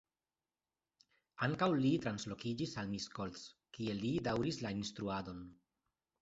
Ankaŭ li translokiĝis al Miskolc, kie li daŭris la instruadon.